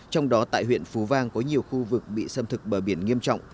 trong đó tại huyện phú vang có nhiều khu vực bị xâm thực bờ biển nghiêm trọng